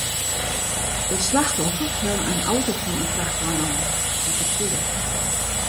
It slachtoffer helle in auto fan in frachtwein ôf, doe't er foel.